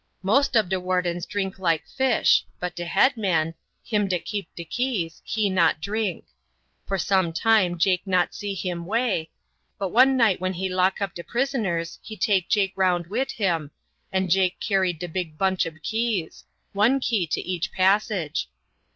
Most ob de wardens drink like fish; but de head man, him dat keep de keys, he not drink. For some time Jake not see him way, but one night when he lock up de prisoners he take Jake round wid him, and Jake carried de big bunch ob keys one key to each passage.